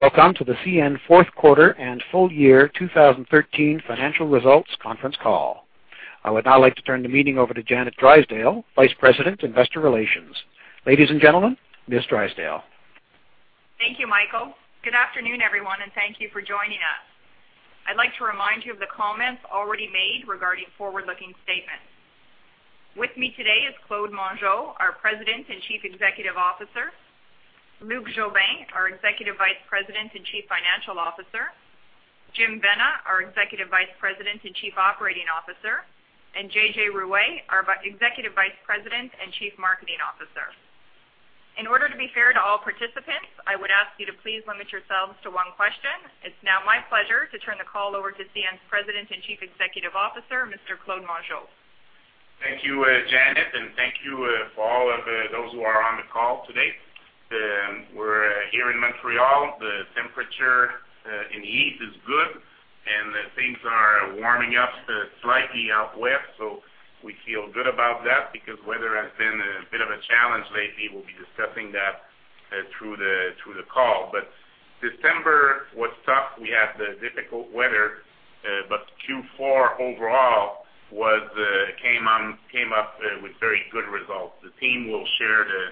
Welcome to the CN Fourth Quarter and Full year 2013 Financial Results Conference Call. I would now like to turn the meeting over to Janet Drysdale, Vice President, Investor Relations. Ladies and gentlemen, Ms. Drysdale. Thank you, Michael. Good afternoon, everyone, and thank you for joining us. I'd like to remind you of the comments already made regarding forward-looking statements. With me today is Claude Mongeau, our President and Chief Executive Officer, Luc Jobin, Executive Vice President and Chief Financial Officer, Jim Vena, our Executive Vice President and Chief Operating Officer, and JJ Ruest, our Executive Vice President and Chief Marketing Officer. In order to be fair to all participants, I would ask you to please limit yourselves to one question. It's now my pleasure to turn the call over to CN's President and Chief Executive Officer, Mr. Claude Mongeau. Thank you, Janet, and thank you for all of those who are on the call today. We're here in Montreal. The temperature in the East is good, and things are warming up slightly out West. So we feel good about that because weather has been a bit of a challenge lately. We'll be discussing that through the call. But December was tough. We had the difficult weather, but Q4 overall came up with very good results. The team will share the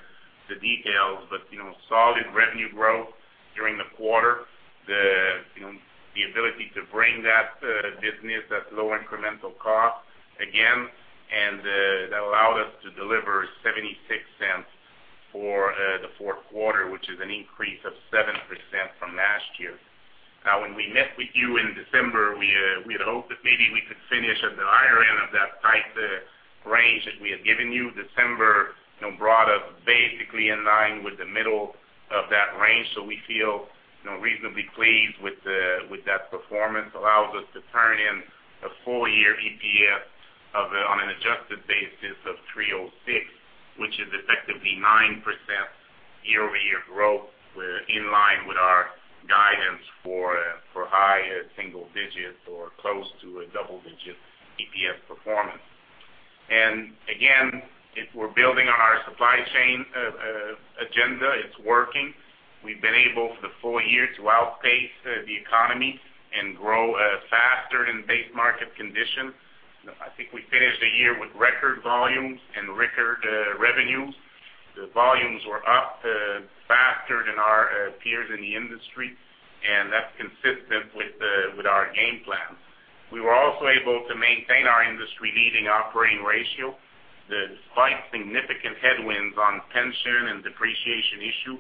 details, but, you know, solid revenue growth during the quarter. The, you know, the ability to bring that business at low incremental cost again, and that allowed us to deliver $0.76 for the fourth quarter, which is an increase of 7% from last year. Now, when we met with you in December, we had hoped that maybe we could finish at the higher end of that tight range that we had given you. December, you know, brought us basically in line with the middle of that range, so we feel, you know, reasonably pleased with that performance. Allows us to turn in a full year EPS of, on an adjusted basis of $3.06, which is effectively 9% year-over-year growth. We're in line with our guidance for high single digits or close to a double-digit EPS performance. And again, if we're building on our supply chain agenda, it's working. We've been able, for the full year, to outpace the economy and grow faster than base market conditions. I think we finished the year with record volumes and record revenues. The volumes were up faster than our peers in the industry, and that's consistent with our game plan. We were also able to maintain our industry-leading operating ratio. Despite significant headwinds on pension and depreciation issue,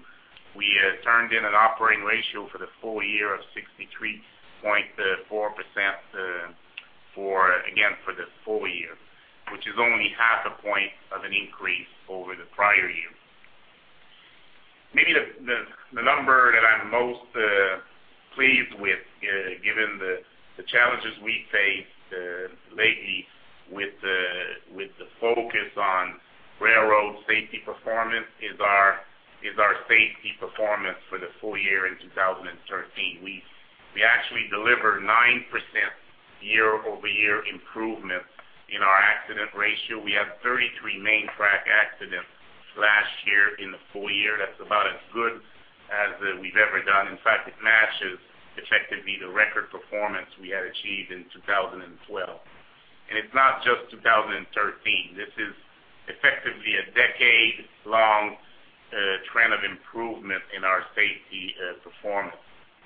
we turned in an operating ratio for the full year of 63.4%, again for the full year, which is only half a point of an increase over the prior year. Maybe the number that I'm most pleased with, given the challenges we faced lately with the focus on railroad safety performance, is our safety performance for the full year in 2013. We actually delivered 9% year-over-year improvement in our accident ratio. We had 33 main track accidents last year in the full year. That's about as good as we've ever done. In fact, it matches effectively the record performance we had achieved in 2012. And it's not just 2013. This is effectively a decade-long trend of improvement in our safety performance.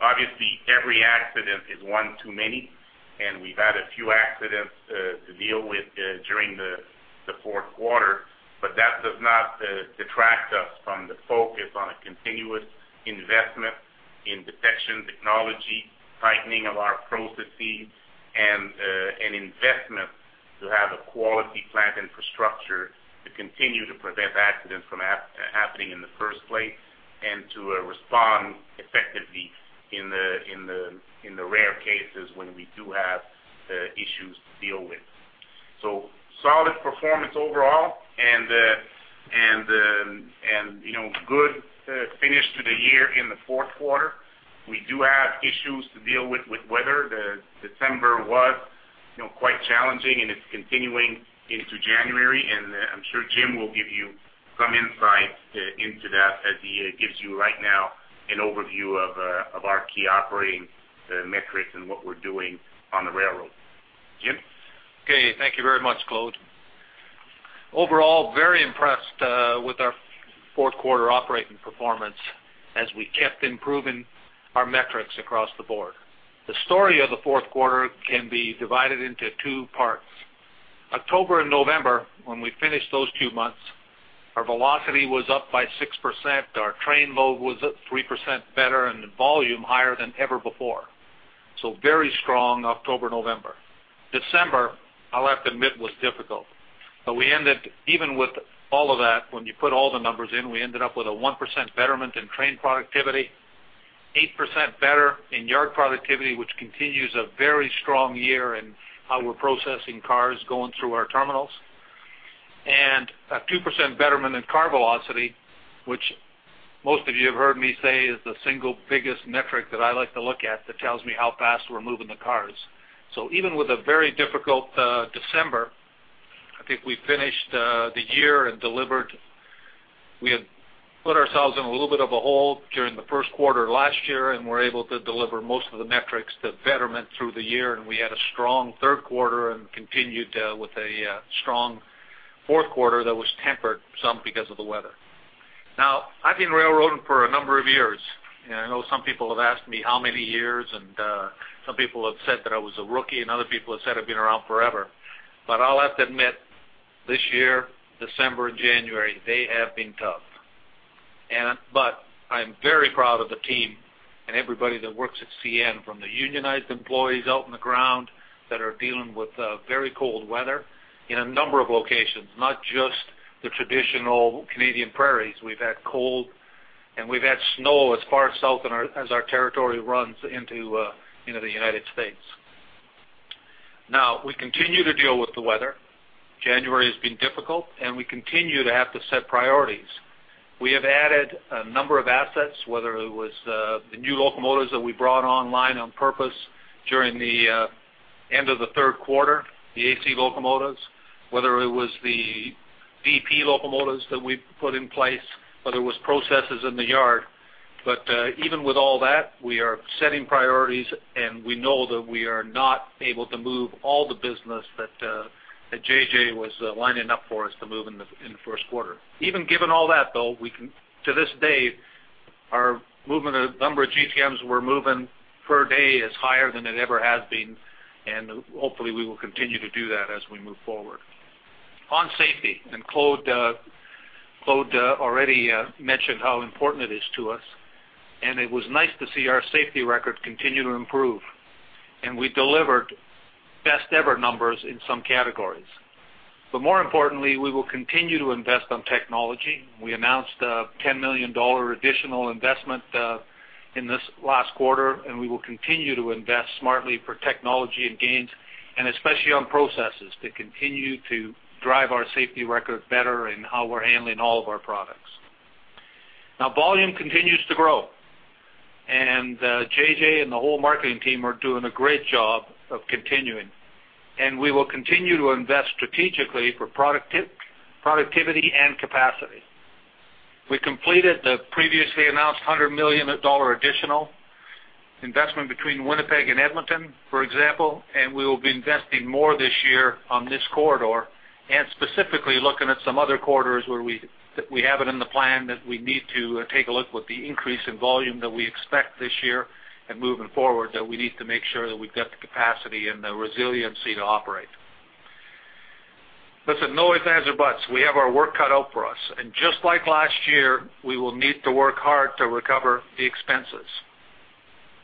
Obviously, every accident is one too many, and we've had a few accidents to deal with during the fourth quarter, but that does not detract us from the focus on a continuous investment in detection technology, tightening of our processes, and an investment to have a quality plant infrastructure to continue to prevent accidents from happening in the first place and to respond effectively in the rare cases when we do have issues to deal with. So solid performance overall, and you know, good finish to the year in the fourth quarter. We do have issues to deal with weather. December was, you know, quite challenging, and it's continuing into January, and I'm sure Jim will give you some insights into that as he gives you right now an overview of our key operating metrics and what we're doing on the railroad. Jim? Okay. Thank you very much, Claude. Overall, very impressed with our fourth quarter operating performance as we kept improving our metrics across the board. The story of the fourth quarter can be divided into two parts. October and November, when we finished those two months, our velocity was up by 6%, our train load was up 3% better, and the volume higher than ever before. So very strong October, November. December, I'll have to admit, was difficult. But we ended, even with all of that, when you put all the numbers in, we ended up with a 1% betterment in train productivity, 8% better in yard productivity, which continues a very strong year in how we're processing cars going through our terminals, and a 2% betterment in car velocity, which most of you have heard me say is the single biggest metric that I like to look at that tells me how fast we're moving the cars. So even with a very difficult December, I think we finished the year and delivered. We had put ourselves in a little bit of a hole during the first quarter last year, and were able to deliver most of the metrics that betterment through the year, and we had a strong third quarter and continued with a strong fourth quarter that was tempered some because of the weather. Now, I've been railroading for a number of years, and I know some people have asked me how many years, and some people have said that I was a rookie, and other people have said I've been around forever. But I'll have to admit, this year, December and January, they have been tough. But I'm very proud of the team and everybody that works at CN, from the unionized employees out on the ground that are dealing with very cold weather in a number of locations, not just the traditional Canadian Prairies. We've had cold, and we've had snow as far south in our-- as our territory runs into, into the United States. Now, we continue to deal with the weather. January has been difficult, and we continue to have to set priorities. We have added a number of assets, whether it was, the new locomotives that we brought online on purpose during the, end of the third quarter, the AC locomotives, whether it was the DP locomotives that we put in place, whether it was processes in the yard. But, even with all that, we are setting priorities, and we know that we are not able to move all the business that, that JJ was, lining up for us to move in the, in the first quarter. Even given all that, though, to this day, our movement, the number of GTMs we're moving per day is higher than it ever has been, and hopefully, we will continue to do that as we move forward. On safety, Claude already mentioned how important it is to us, and it was nice to see our safety record continue to improve, and we delivered best ever numbers in some categories. But more importantly, we will continue to invest on technology. We announced a $10 million additional investment in this last quarter, and we will continue to invest smartly for technology and gains, and especially on processes, to continue to drive our safety record better in how we're handling all of our products. Now, volume continues to grow, and JJ and the whole marketing team are doing a great job of continuing, and we will continue to invest strategically for productivity and capacity. We completed the previously announced $100 million additional investment between Winnipeg and Edmonton, for example, and we will be investing more this year on this corridor, and specifically looking at some other corridors where we, that we have it in the plan, that we need to take a look with the increase in volume that we expect this year and moving forward, that we need to make sure that we've got the capacity and the resiliency to operate. Listen, no ifs, ands, or buts, we have our work cut out for us. And just like last year, we will need to work hard to recover the expenses.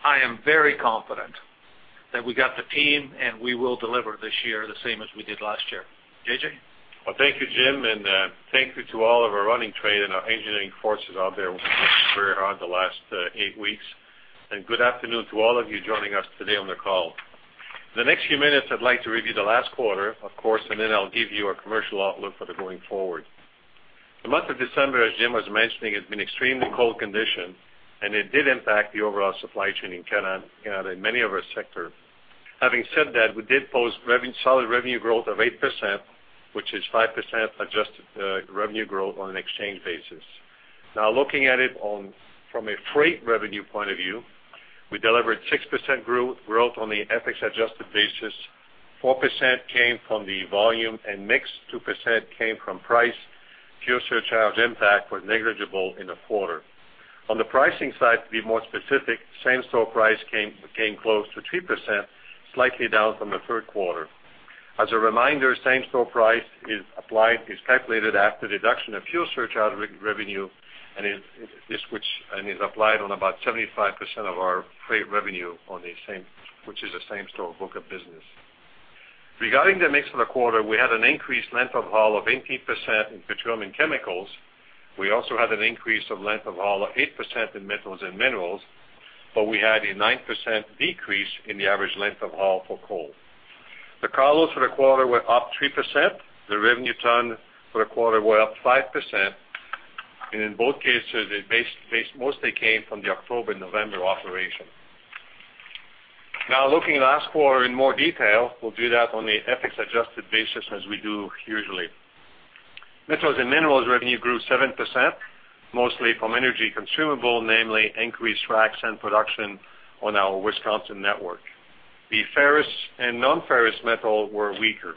I am very confident that we got the team, and we will deliver this year the same as we did last year. JJ? Well, thank you, Jim, and thank you to all of our running trades and our engineering forces out there, working very hard the last 8 weeks. Good afternoon to all of you joining us today on the call. The next few minutes, I'd like to review the last quarter, of course, and then I'll give you a commercial outlook for the going forward. The month of December, as Jim was mentioning, has been extremely cold condition, and it did impact the overall supply chain in Canada, Canada in many of our sector. Having said that, we did post solid revenue growth of 8%, which is 5% adjusted revenue growth on an exchange basis. Now, looking at it on from a freight revenue point of view, we delivered 6% growth on the FX adjusted basis. 4% came from the volume and mix, 2% came from price. Fuel surcharge impact was negligible in the quarter. On the pricing side, to be more specific, same-store price came close to 3%, slightly down from the third quarter. As a reminder, same-store price is calculated after deduction of fuel surcharge revenue, and is applied on about 75% of our freight revenue on the same, which is the same-store book of business. Regarding the mix of the quarter, we had an increased length of haul of 18% in petroleum chemicals. We also had an increase of length of haul of 8% in metals and minerals, but we had a 9% decrease in the average length of haul for coal. The carloads for the quarter were up 3%. The revenue ton for the quarter were up 5%, and in both cases, it mostly came from the October, November operation. Now, looking at last quarter in more detail, we'll do that on a FX adjusted basis, as we do usually. Metals and minerals revenue grew 7%, mostly from energy consumable, namely increased frac sand production on our Wisconsin network. The ferrous and non-ferrous metal were weaker.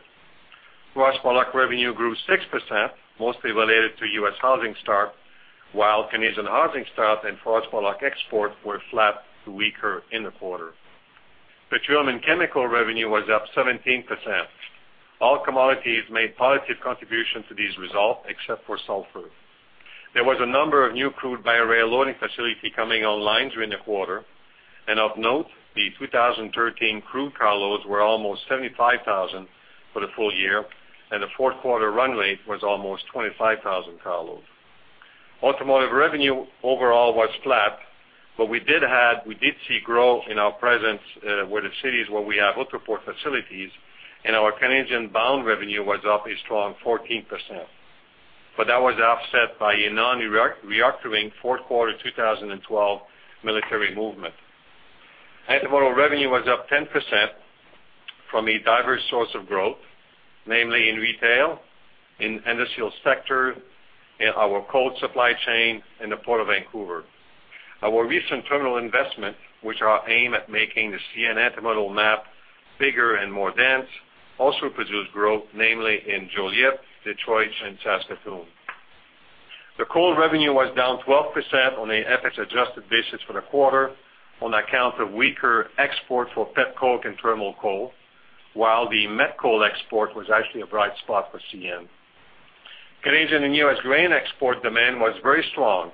Cross-border revenue grew 6%, mostly related to U.S. housing start, while Canadian housing start and forest product export were flat to weaker in the quarter. Petroleum and chemical revenue was up 17%. All commodities made positive contribution to these results, except for sulfur. There was a number of new crude by rail loading facility coming online during the quarter, and of note, the 2013 crude carloads were almost 75,000 for the full year, and the fourth quarter run rate was almost 25,000 carloads. Automotive revenue overall was flat, but we did see growth in our presence with the cities where we have Autoport facilities, and our Canadian bound revenue was up a strong 14%. But that was offset by a non-recurring fourth quarter 2012 military movement. Intermodal revenue was up 10% from a diverse source of growth, namely in retail, in industrial sector, in our cold supply chain, and the Port of Vancouver. Our recent terminal investment, which are aimed at making the CN intermodal map bigger and more dense, also produced growth, namely in Joliette, Detroit, and Saskatoon. The coal revenue was down 12% on a FX-adjusted basis for the quarter on account of weaker exports for pet coke and thermal coal, while the met coal export was actually a bright spot for CN. Canadian and U.S. grain export demand was very strong,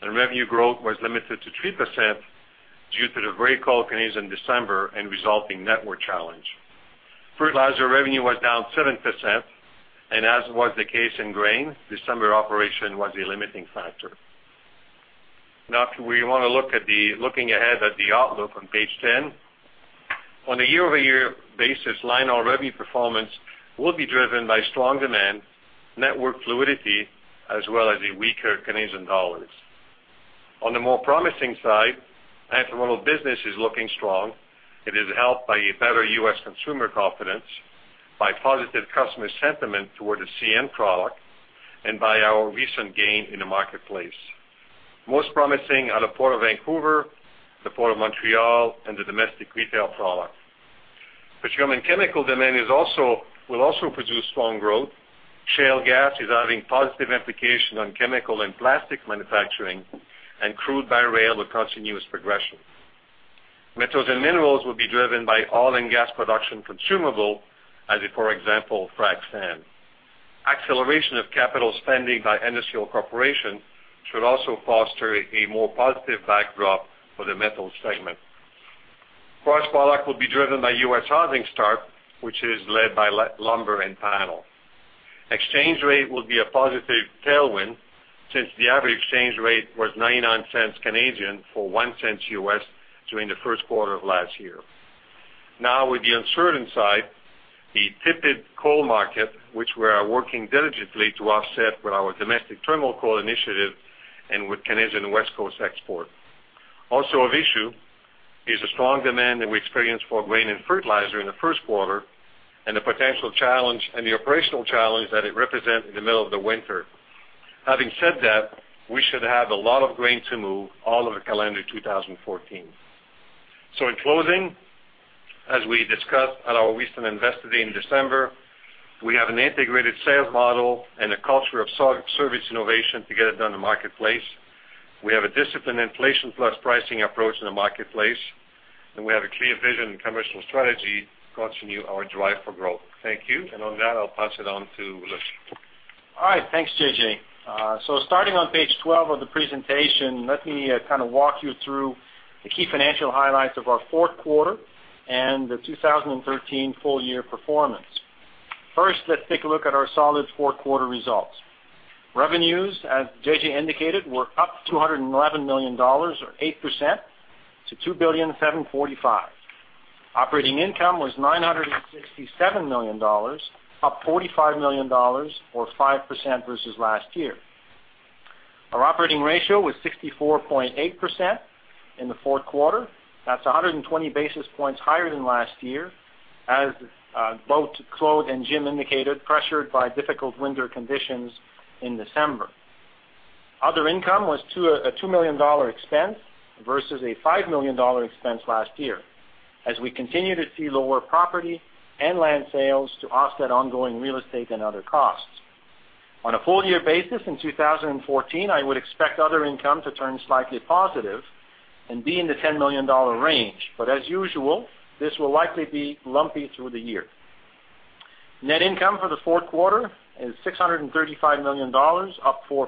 and revenue growth was limited to 3% due to the very cold Canadian December and resulting network challenge. Fertilizer revenue was down 7%, and as was the case in grain, December operation was a limiting factor. Now, if we want to look ahead at the outlook on page 10. On a year-over-year basis, line-haul revenue performance will be driven by strong demand, network fluidity, as well as a weaker Canadian dollar. On the more promising side, intermodal business is looking strong. It is helped by a better U.S. consumer confidence, by positive customer sentiment toward the CN product, and by our recent gain in the marketplace. Most promising are the Port of Vancouver, the Port of Montreal, and the domestic retail product. Petroleum and chemical demand will also produce strong growth. Shale gas is having positive implication on chemical and plastic manufacturing, and crude by rail will continue its progression. Metals and minerals will be driven by oil and gas production consumable, for example, frac sand. Acceleration of capital spending by industrial corporation should also foster a more positive backdrop for the metals segment. Forest products will be driven by U.S. housing start, which is led by lumber and panel. Exchange rate will be a positive tailwind, since the average exchange rate was 0.99 CAD per USD during the first quarter of last year. Now, with the uncertain side, the tepid coal market, which we are working diligently to offset with our domestic terminal coal initiative and with Canadian West Coast export. Also of issue is the strong demand that we experienced for grain and fertilizer in the first quarter, and the potential challenge, and the operational challenge that it represent in the middle of the winter. Having said that, we should have a lot of grain to move all of calendar 2014. So in closing, as we discussed at our recent Investor Day in December, we have an integrated sales model and a culture of service innovation to get it done in the marketplace. We have a disciplined inflation-plus pricing approach in the marketplace, and we have a clear vision and commercial strategy to continue our drive for growth. Thank you, and on that, I'll pass it on to Luc. All right. Thanks, JJ. So starting on page 12 of the presentation, let me kind of walk you through the key financial highlights of our fourth quarter and the 2013 full year performance. First, let's take a look at our solid fourth quarter results. Revenues, as JJ indicated, were up $211 million, or 8%, to $2,745 million. Operating income was $967 million, up $45 million or 5% versus last year. Our operating ratio was 64.8% in the fourth quarter. That's 120 basis points higher than last year, as both Claude and Jim indicated, pressured by difficult winter conditions in December. Other income was a $2 million expense versus a $5 million expense last year, as we continue to see lower property and land sales to offset ongoing real estate and other costs. On a full year basis in 2014, I would expect other income to turn slightly positive and be in the $10 million range. But as usual, this will likely be lumpy through the year. Net income for the fourth quarter is $635 million, up 4%,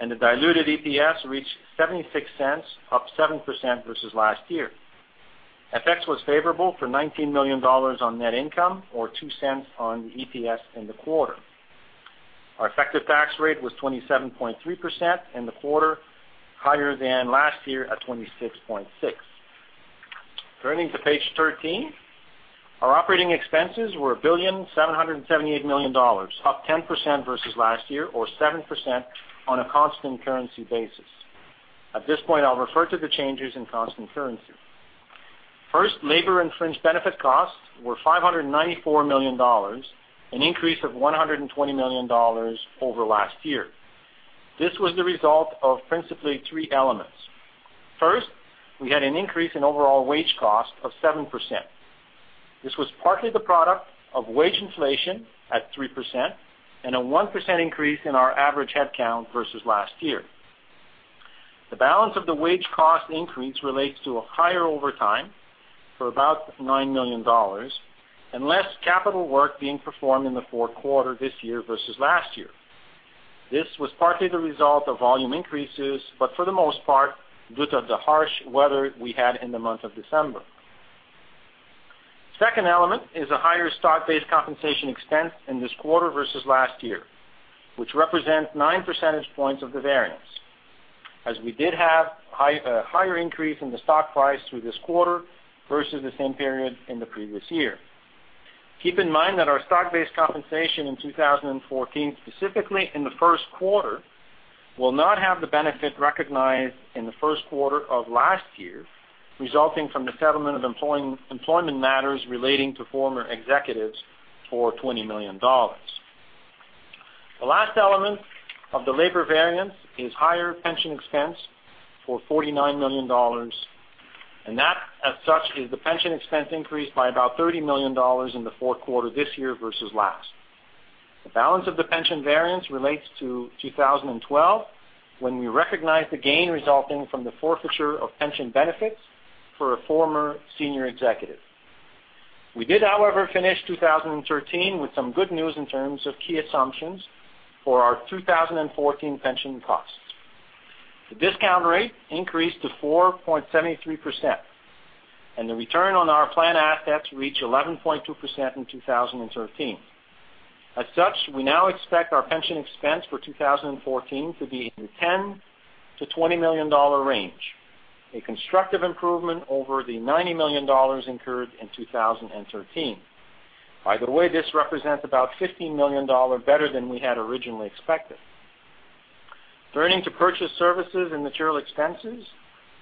and the diluted EPS reached $0.76, up 7% versus last year. FX was favorable for $19 million on net income, or $0.02 on the EPS in the quarter. Our effective tax rate was 27.3% in the quarter, higher than last year at 26.6%. Turning to page 13, our operating expenses were $1.778 billion, up 10% versus last year or 7% on a constant currency basis. At this point, I'll refer to the changes in constant currency. First, labor and fringe benefit costs were $594 million, an increase of $120 million over last year. This was the result of principally three elements. First, we had an increase in overall wage cost of 7%. This was partly the product of wage inflation at 3% and a 1% increase in our average headcount versus last year. The balance of the wage cost increase relates to a higher overtime for about $9 million and less capital work being performed in the fourth quarter this year versus last year. This was partly the result of volume increases, but for the most part, due to the harsh weather we had in the month of December. Second element is a higher stock-based compensation expense in this quarter versus last year, which represents 9 percentage points of the variance, as we did have high, higher increase in the stock price through this quarter versus the same period in the previous year. Keep in mind that our stock-based compensation in 2014, specifically in the first quarter, will not have the benefit recognized in the first quarter of last year, resulting from the settlement of employment matters relating to former executives for $20 million. The last element of the labor variance is higher pension expense for $49 million, and that, as such, is the pension expense increased by about $30 million in the fourth quarter this year versus last. The balance of the pension variance relates to 2012, when we recognized the gain resulting from the forfeiture of pension benefits for a former senior executive. We did, however, finish 2013 with some good news in terms of key assumptions for our 2014 pension costs. The discount rate increased to 4.73%, and the return on our plan assets reached 11.2% in 2013. As such, we now expect our pension expense for 2014 to be in the $10-$20 million range, a constructive improvement over the $90 million incurred in 2013. By the way, this represents about $15 million better than we had originally expected. Turning to purchase services and material expenses,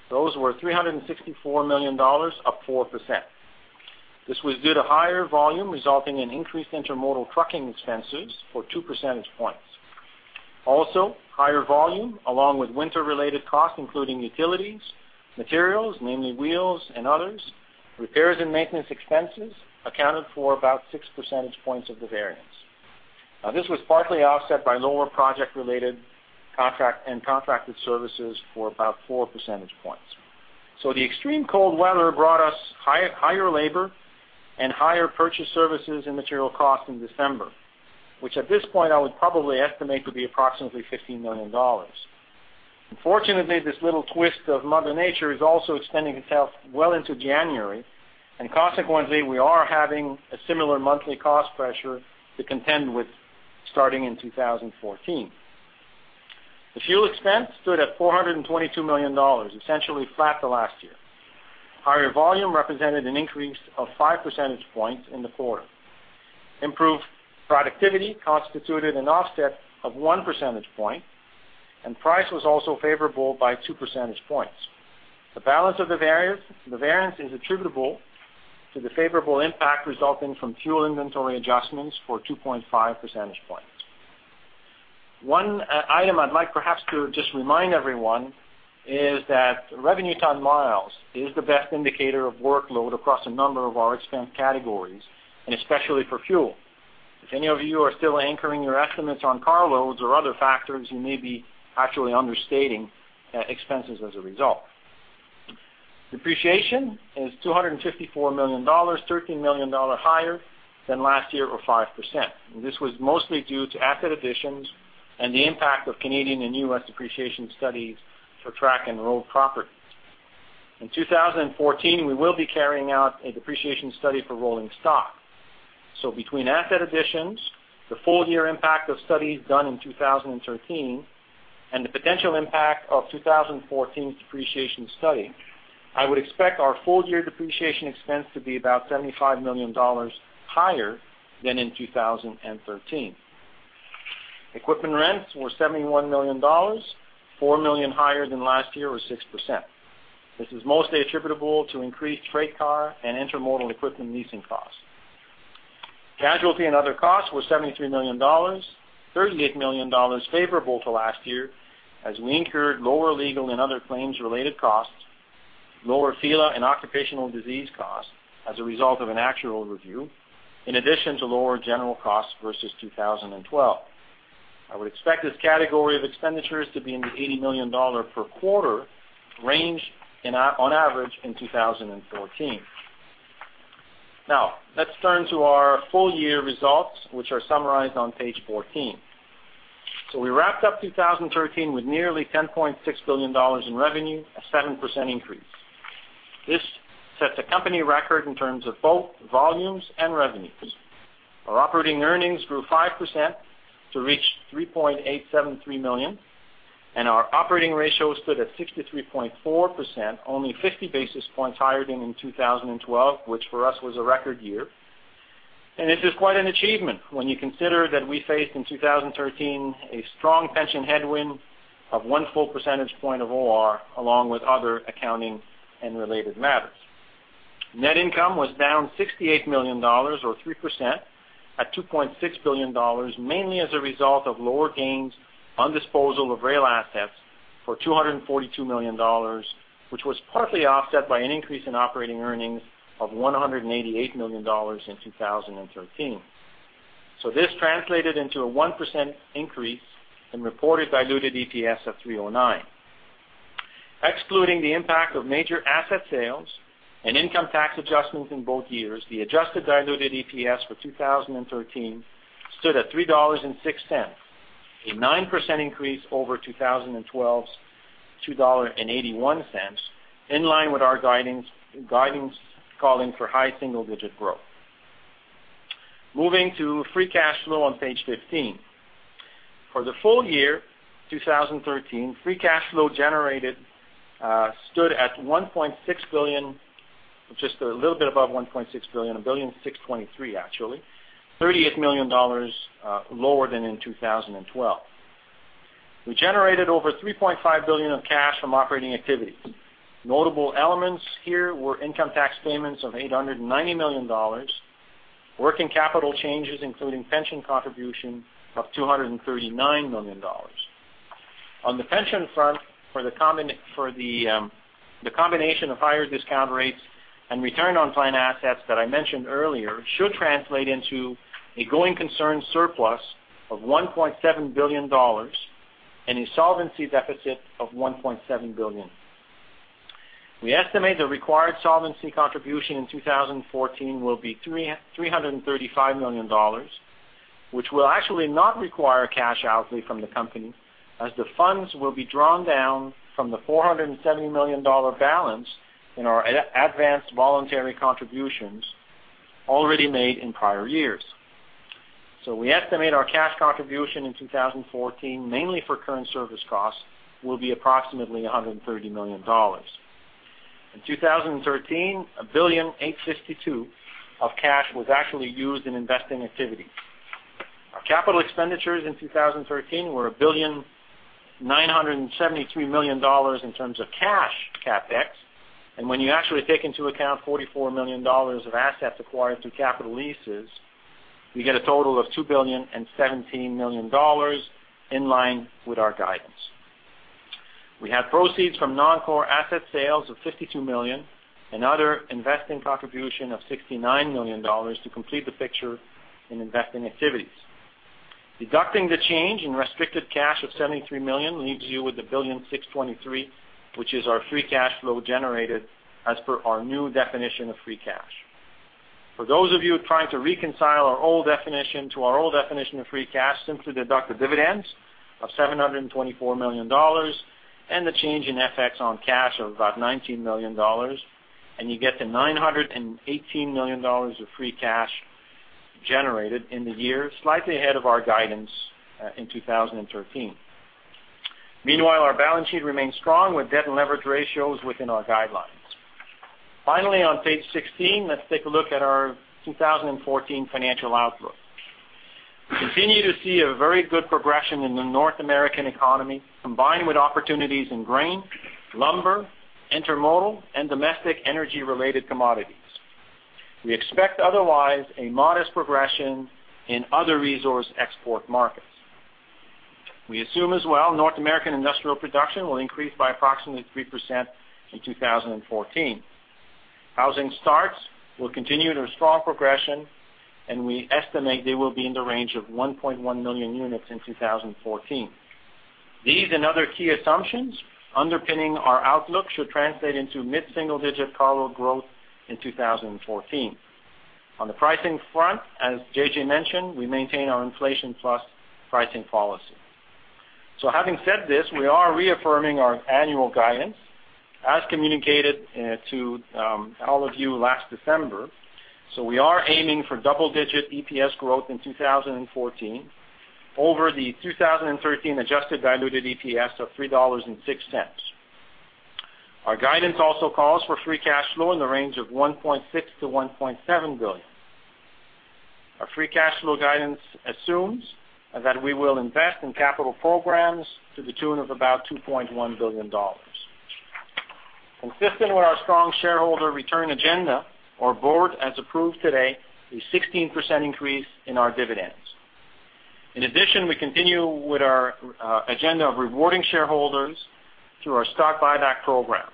those were $364 million, up 4%. This was due to higher volume, resulting in increased intermodal trucking expenses for two percentage points. Also, higher volume, along with winter-related costs, including utilities, materials, namely wheels and others, repairs and maintenance expenses accounted for about six percentage points of the variance. Now, this was partly offset by lower project-related contract and contracted services for about four percentage points. The extreme cold weather brought us higher labor and higher purchased services and material costs in December, which at this point, I would probably estimate to be approximately $15 million. Unfortunately, this little twist of Mother Nature is also extending itself well into January, and consequently, we are having a similar monthly cost pressure to contend with starting in 2014. The fuel expense stood at $422 million, essentially flat to last year. Higher volume represented an increase of 5 percentage points in the quarter. Improved productivity constituted an offset of 1 percentage point, and price was also favorable by 2 percentage points. The balance of the variance, the variance is attributable to the favorable impact resulting from fuel inventory adjustments for 2.5 percentage points. One item I'd like perhaps to just remind everyone is that revenue ton miles is the best indicator of workload across a number of our expense categories, and especially for fuel. If any of you are still anchoring your estimates on car loads or other factors, you may be actually understating expenses as a result. Depreciation is $254 million, $13 million higher than last year, or 5%. This was mostly due to asset additions and the impact of Canadian and US depreciation studies for track and road properties. In 2014, we will be carrying out a depreciation study for rolling stock. Between asset additions, the full year impact of studies done in 2013, and the potential impact of 2014's depreciation study, I would expect our full year depreciation expense to be about $75 million higher than in 2013. Equipment rents were $71 million, $4 million higher than last year or 6%. This is mostly attributable to increased freight car and intermodal equipment leasing costs. Casualty and other costs were $73 million, $38 million favorable to last year, as we incurred lower legal and other claims-related costs, lower FELA and occupational disease costs as a result of an actuarial review, in addition to lower general costs versus 2012. I would expect this category of expenditures to be in the $80 million per quarter range on average in 2014. Now, let's turn to our full year results, which are summarized on page 14. So we wrapped up 2013 with nearly $10.6 billion in revenue, a 7% increase. This sets a company record in terms of both volumes and revenues. Our operating earnings grew 5% to reach $3.873 million, and our operating ratio stood at 63.4%, only 50 basis points higher than in 2012, which for us was a record year. And this is quite an achievement when you consider that we faced, in 2013, a strong pension headwind of 1 full percentage point of OR, along with other accounting and related matters. Net income was down $68 million, or 3%, at $2.6 billion, mainly as a result of lower gains on disposal of rail assets for $242 million, which was partly offset by an increase in operating earnings of $188 million in 2013. So this translated into a 1% increase in reported diluted EPS of $3.09. Excluding the impact of major asset sales and income tax adjustments in both years, the adjusted diluted EPS for 2013 stood at $3.06, a 9% increase over 2012's $2.81, in line with our guidings, guidance, calling for high single digit growth. Moving to free cash flow on page 15. For the full year 2013, free cash flow generated stood at $1.6 billion, just a little bit above $1.6 billion, $1.623 billion, actually, $38 million lower than in 2012. We generated over $3.5 billion of cash from operating activities. Notable elements here were income tax payments of $890 million, working capital changes, including pension contribution of $239 million. On the pension front, for the combination of higher discount rates and return on plan assets that I mentioned earlier, should translate into a going concern surplus of $1.7 billion and a solvency deficit of $1.7 billion. We estimate the required solvency contribution in 2014 will be $333 million, which will actually not require cash outlay from the company, as the funds will be drawn down from the $470 million balance in our advanced voluntary contributions already made in prior years. So we estimate our cash contribution in 2014, mainly for current service costs, will be approximately $130 million. In 2013, $1.852 billion of cash was actually used in investing activities. Our capital expenditures in 2013 were $1.973 billion in terms of cash CapEx. When you actually take into account $44 million of assets acquired through capital leases, we get a total of $2 billion and $17 million in line with our guidance. We had proceeds from non-core asset sales of $52 million and other investing contribution of $69 million to complete the picture in investing activities. Deducting the change in restricted cash of $73 million leaves you with $1.623 billion, which is our free cash flow generated as per our new definition of free cash. For those of you trying to reconcile our old definition, to our old definition of free cash, simply deduct the dividends of $724 million and the change in FX on cash of about $19 million, and you get to $918 million of free cash generated in the year, slightly ahead of our guidance, in 2013. Meanwhile, our balance sheet remains strong, with debt and leverage ratios within our guidelines. Finally, on page 16, let's take a look at our 2014 financial outlook. We continue to see a very good progression in the North American economy, combined with opportunities in grain, lumber, intermodal, and domestic energy-related commodities. We expect otherwise a modest progression in other resource export markets. We assume as well, North American industrial production will increase by approximately 3% in 2014. Housing starts will continue their strong progression, and we estimate they will be in the range of 1.1 million units in 2014. These and other key assumptions underpinning our outlook should translate into mid-single-digit cargo growth in 2014. On the pricing front, as JJ mentioned, we maintain our inflation plus pricing policy. So having said this, we are reaffirming our annual guidance as communicated to all of you last December. So we are aiming for double-digit EPS growth in 2014 over the 2013 adjusted diluted EPS of $3.06. Our guidance also calls for free cash flow in the range of $1.6 billion-$1.7 billion. Our free cash flow guidance assumes that we will invest in capital programs to the tune of about $2.1 billion. Consistent with our strong shareholder return agenda, our board has approved today a 16% increase in our dividends. In addition, we continue with our agenda of rewarding shareholders through our stock buyback program.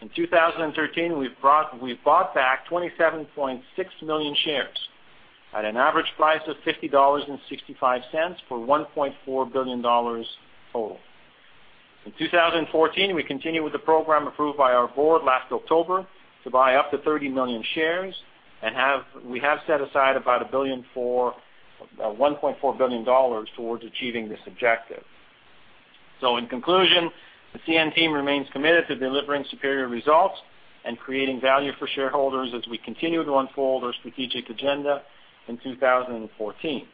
In 2013, we've brought, we bought back 27.6 million shares at an average price of $50.65 for $1.4 billion total. In 2014, we continue with the program approved by our board last October to buy up to 30 million shares, and have we have set aside about $1.4 billion towards achieving this objective. In conclusion, the CN team remains committed to delivering superior results and creating value for shareholders as we continue to unfold our strategic agenda in 2014.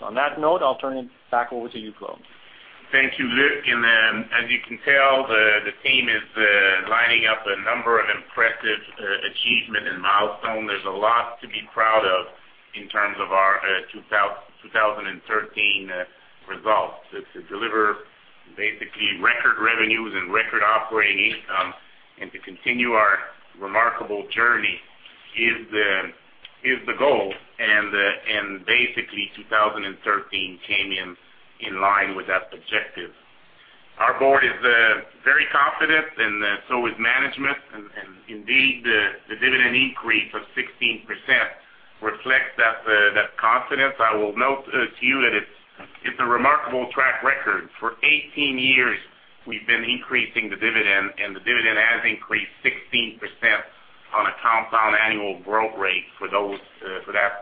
On that note, I'll turn it back over to you, Claude. Thank you, Luc. As you can tell, the team is lining up a number of impressive achievement and milestone. There's a lot to be proud of in terms of our 2013 results. To deliver basically record revenues and record operating income and to continue our remarkable journey is the goal, and basically, 2013 came in in line with that objective. Our board is very confident, and so is management. And indeed, the dividend increase of 16% reflects that confidence. I will note to you that it's a remarkable track record. For 18 years, we've been increasing the dividend, and the dividend has increased 16% on a compound annual growth rate for that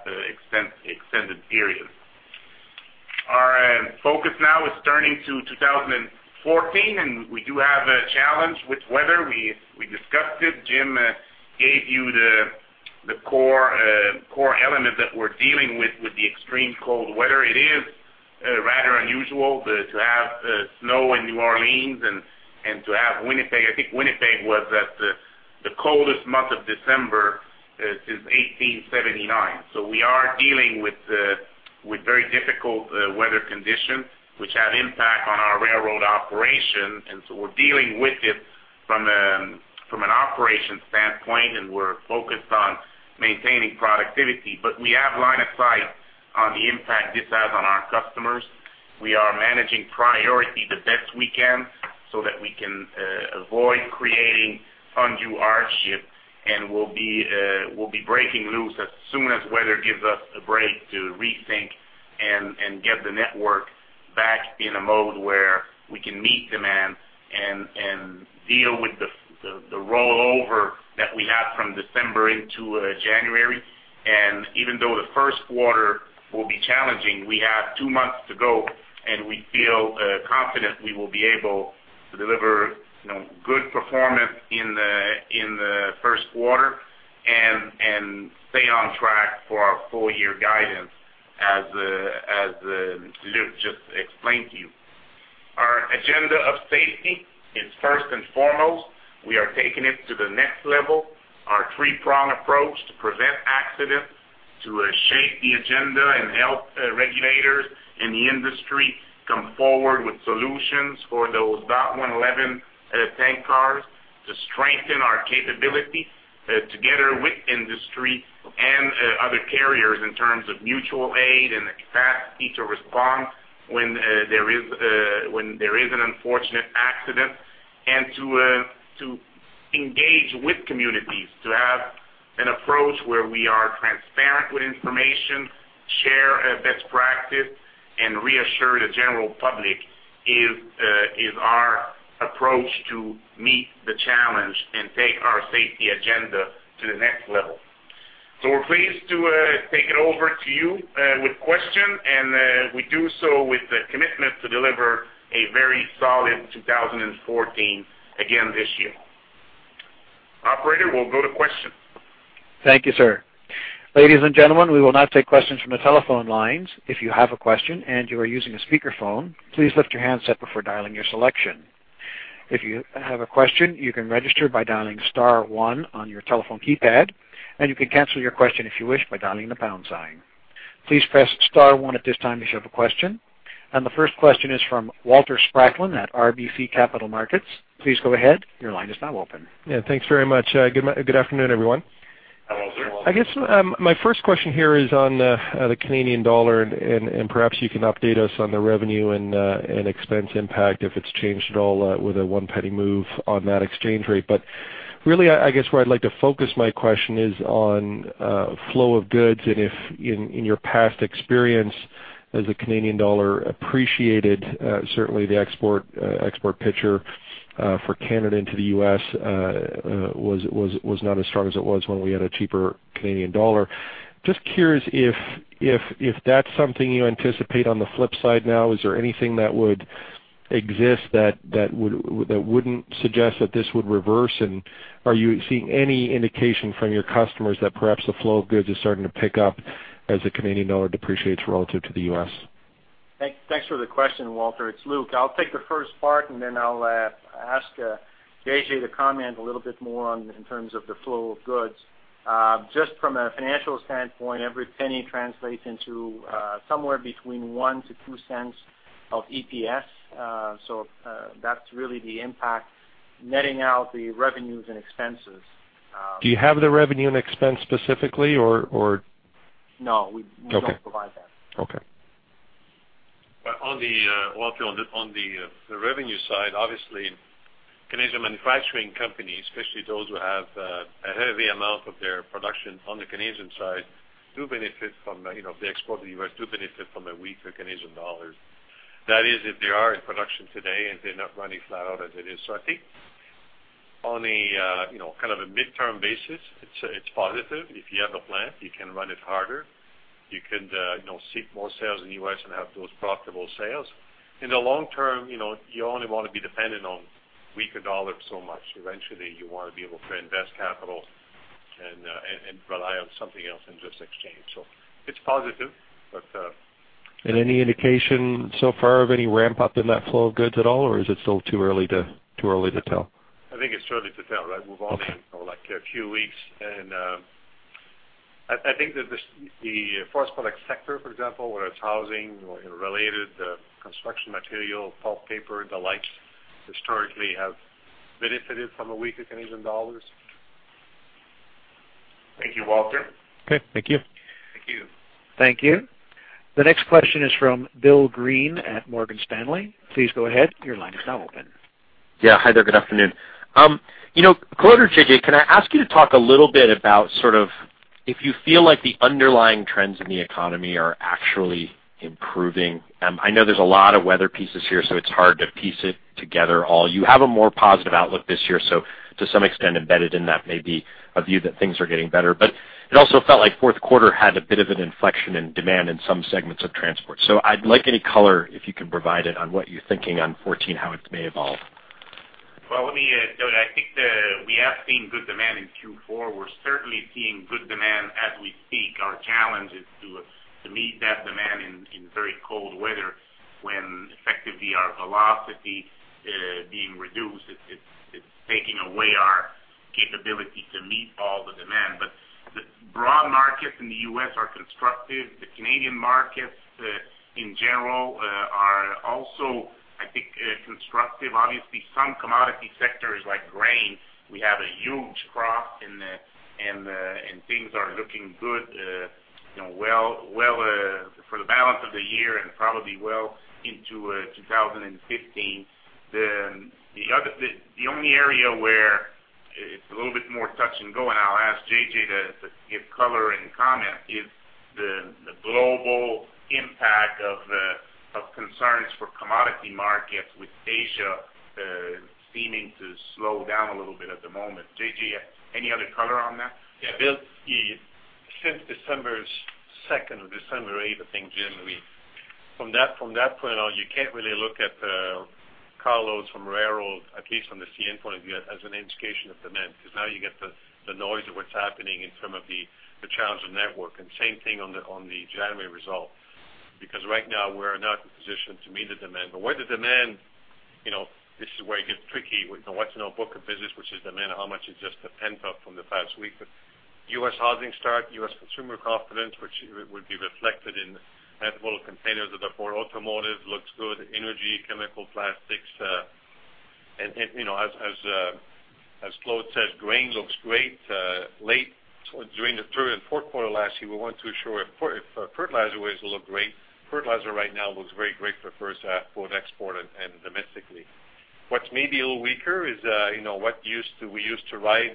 extended period. Our focus now is turning to 2014, and we do have a challenge with weather. We discussed it. Jim gave you the core element that we're dealing with, with the extreme cold weather. It is rather unusual to have snow in New Orleans and to have Winnipeg. I think Winnipeg was at the coldest month of December since 1879. So we are dealing with very difficult weather conditions, which have impact on our railroad operation, and so we're dealing with it from an operation standpoint, and we're focused on maintaining productivity. But we have line of sight on the impact this has on our customers. We are managing priority the best we can so that we can avoid creating undue hardship, and we'll be breaking loose as soon as weather gives us a break to rethink and get the network back in a mode where we can meet demand and deal with the rollover that we have from December into January. And even though the first quarter will be challenging, we have two months to go, and we feel confident we will be able to deliver, you know, good performance in the first quarter and stay on track for our full year guidance as Luc just explained to you. Our agenda of safety is first and foremost. We are taking it to the next level. Our three-prong approach to prevent accidents, to shape the agenda and help regulators in the industry come forward with solutions for those DOT-111 tank cars, to strengthen our capability together with industry and other carriers in terms of mutual aid and the capacity to respond when there is an unfortunate accident, and to engage with communities, to have an approach where we are transparent with information, share best practice, and reassure the general public is our approach to meet the challenge and take our safety agenda to the next level. So we're pleased to take it over to you with question, and we do so with the commitment to deliver a very solid 2014 again this year. Operator, we'll go to questions. Thank you, sir. Ladies and gentlemen, we will now take questions from the telephone lines. If you have a question and you are using a speakerphone, please lift your handset before dialing your selection. If you have a question, you can register by dialing star one on your telephone keypad, and you can cancel your question, if you wish, by dialing the pound sign. Please press star one at this time if you have a question. And the first question is from Walter Spracklin at RBC Capital Markets. Please go ahead. Your line is now open. Yeah, thanks very much. Good afternoon, everyone. Hello, sir. I guess, my first question here is on, the Canadian dollar, and perhaps you can update us on the revenue and expense impact, if it's changed at all, with a 1 penny move on that exchange rate. But really, I guess where I'd like to focus my question is on, flow of goods, and if in your past experience as the Canadian dollar appreciated, certainly the export picture, for Canada into the U.S., was not as strong as it was when we had a cheaper Canadian dollar. Just curious if that's something you anticipate on the flip side now, is there anything that would exist that that wouldn't suggest that this would reverse? Are you seeing any indication from your customers that perhaps the flow of goods is starting to pick up as the Canadian dollar depreciates relative to the U.S.? Thanks for the question, Walter. It's Luc. I'll take the first part, and then I'll ask JJ to comment a little bit more on, in terms of the flow of goods. Just from a financial standpoint, every penny translates into somewhere between 1-2 cents of EPS. So that's really the impact, netting out the revenues and expenses. Do you have the revenue and expense specifically, or? No, we- Okay. we don't provide that. Okay. But, Walter, on the revenue side, obviously, Canadian manufacturing companies, especially those who have a heavy amount of their production on the Canadian side, do benefit from, you know, they export to the U.S., do benefit from a weaker Canadian dollar. That is, if they are in production today, and they're not running flat out as it is. So I think on a, you know, kind of a midterm basis, it's positive. If you have a plant, you can run it harder. You can, you know, seek more sales in the U.S. and have those profitable sales. In the long term, you know, you only want to be dependent on weaker dollar so much. Eventually, you want to be able to invest capital and rely on something else in this exchange. So it's positive, but, Any indication so far of any ramp-up in that flow of goods at all, or is it still too early to tell? I think it's too early to tell, right? We've only, you know, like a few weeks. And, I think that this, the forest product sector, for example, whether it's housing or, you know, related, construction material, pulp, paper, the like, historically have benefited from a weaker Canadian dollar. Thank you, Walter. Okay. Thank you. Thank you. Thank you. The next question is from William Greene at Morgan Stanley. Please go ahead. Your line is now open. Yeah. Hi there, good afternoon. You know, Claude or JJ, can I ask you to talk a little bit about sort of if you feel like the underlying trends in the economy are actually improving? I know there's a lot of weather pieces here, so it's hard to piece it together all. You have a more positive outlook this year, so to some extent, embedded in that may be a view that things are getting better. But it also felt like fourth quarter had a bit of an inflection in demand in some segments of transport. So I'd like any color, if you can provide it, on what you're thinking on 2014, how it may evolve. Well, let me, Bill, I think we have seen good demand in Q4. We're certainly seeing good demand as we speak. Our challenge is to meet that demand in very cold weather when effectively our velocity being reduced, it's taking away our capability to meet all the demand. But the broad markets in the U.S. are constructive. The Canadian markets in general are also, I think, constructive. Obviously, some commodity sectors like grain, we have a huge crop, and things are looking good, you know, well, for the balance of the year and probably well into 2015. The other, the only area where it's a little bit more touch and go, and I'll ask JJ to give color and comment, is the global impact of concerns for commodity markets with Asia seeming to slow down a little bit at the moment. JJ, any other color on that? Yeah, Bill, since December 2nd or December 8th, I think, Jim, we, from that, from that point on, you can't really look at car loads from railroad, at least from the CN point of view, as an indication of demand. Because now you get the noise of what's happening in some of the challenged network, and same thing on the January result. Because right now, we're not in a position to meet the demand. But where the demand, you know, this is where it gets tricky with what's in our book of business, which is demand, and how much is just a pent up from the past week. But U.S. housing start, U.S. consumer confidence, which would be reflected in the global containers that are for automotive, looks good, energy, chemical, plastics, and you know, as Claude said, grain looks great. Late during the third and fourth quarter last year, we weren't too sure if fertilizer was look great. Fertilizer right now looks very great for first, both export and domestically. What's maybe a little weaker is, you know, what used to—we used to ride,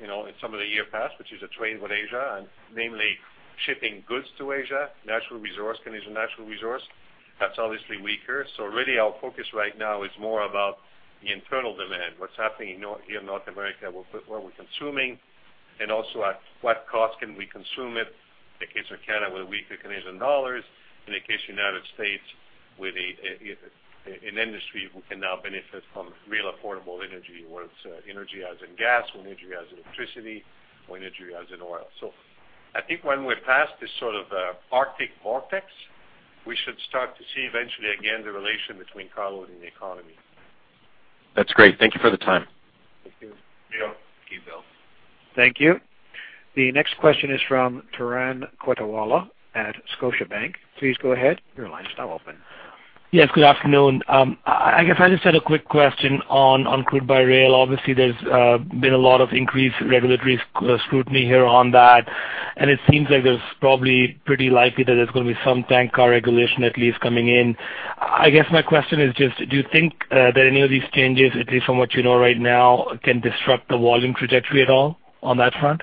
you know, in some of the year past, which is a trade with Asia, and namely, shipping goods to Asia, natural resource, Canadian natural resource. That's obviously weaker. So really, our focus right now is more about the internal demand, what's happening in North America, what we're consuming, and also at what cost can we consume it. In the case of Canada, with a weaker Canadian dollars, in the case of United States, with an industry who can now benefit from real affordable energy, whether it's energy as in gas, energy as in electricity, or energy as in oil. So I think when we're past this sort of Arctic vortex, we should start to see eventually again, the relation between cargo and the economy. That's great. Thank you for the time. Thank you. Thank you, Bill. Thank you. The next question is from Turan Quettawala at Scotiabank. Please go ahead. Your line is now open. Yes, good afternoon. I guess I just had a quick question on crude by rail. Obviously, there's been a lot of increased regulatory scrutiny here on that, and it seems like there's probably pretty likely that there's gonna be some tank car regulation at least coming in. I guess my question is just: do you think that any of these changes, at least from what you know right now, can disrupt the volume trajectory at all on that front?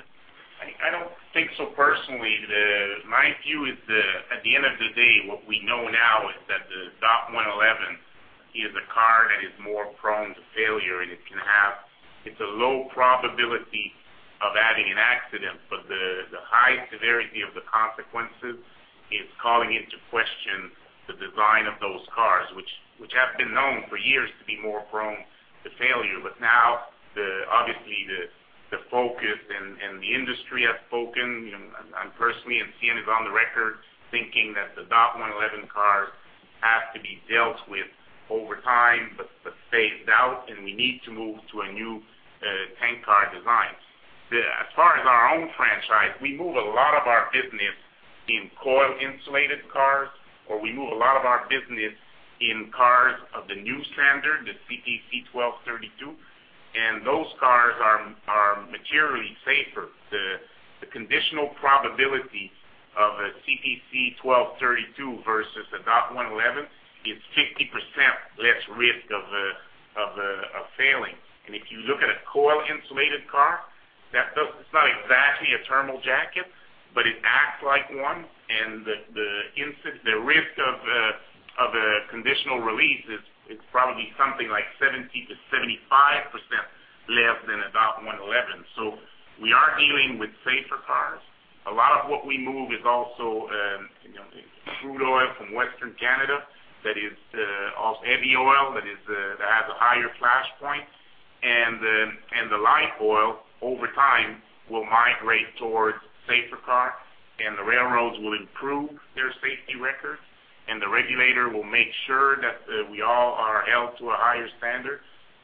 I don't think so personally. My view is, at the end of the day, what we know now is that the DOT-111 is a car that is more prone to failure, and it can have. It's a low probability of having an accident, but the high severity of the consequences is calling into question the design of those cars, which have been known for years to be more prone to failure. But now, obviously, the focus and the industry have spoken, you know, and personally, and CN is on the record, thinking that the DOT-111 cars have to be dealt with over time, but phased out, and we need to move to a new tank car design. As far as our own franchise, we move a lot of our business in coil insulated cars, or we move a lot of our business in cars of the new standard, the CPC-1232, and those cars are materially safer. The conditional probability of a CPC-1232 versus a DOT-111 is 50% less risk of failing. And if you look at a coil insulated car, that does, it's not exactly a thermal jacket, but it acts like one, and the risk of a conditional release is probably something like 70%-75% less than a DOT-111. So we are dealing with safer cars. A lot of what we move is also, you know, crude oil from Western Canada, that is also heavy oil, that has a higher flashpoint. And the light oil, over time, will migrate towards safer cars, and the railroads will improve their safety record, and the regulator will make sure that we all are held to a higher standard.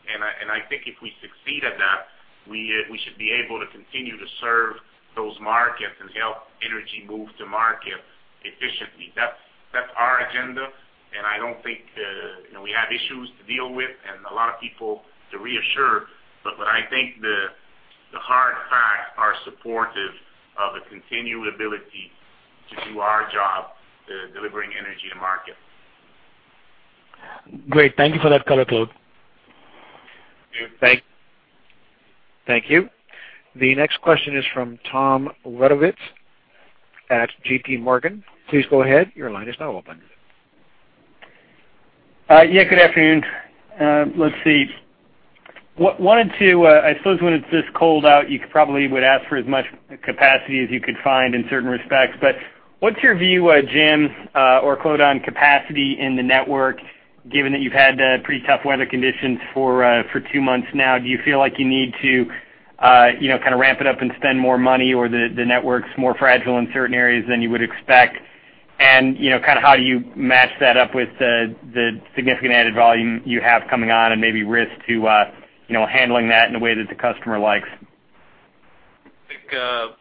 And I think if we succeed at that, we should be able to continue to serve those markets and help energy move to market efficiently. That's our agenda, and I don't think, you know, we have issues to deal with and a lot of people to reassure, but what I think the hard facts are supportive of a continued ability to do our job, delivering energy to market. Great. Thank you for that color, Claude. Thank you. Thank you. The next question is from Thomas Wadewitz at J.P. Morgan. Please go ahead. Your line is now open. Yeah, good afternoon. Let's see. What wanted to... I suppose when it's this cold out, you could probably would ask for as much capacity as you could find in certain respects. But what's your view, Jim, or Claude, on capacity in the network, given that you've had pretty tough weather conditions for two months now? Do you feel like you need to-... you know, kind of ramp it up and spend more money, or the network's more fragile in certain areas than you would expect? And, you know, kind of how do you match that up with the significant added volume you have coming on and maybe risk to, you know, handling that in a way that the customer likes? I think,